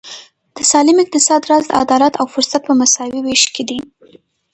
د سالم اقتصاد راز د عدالت او فرصت په مساوي وېش کې دی.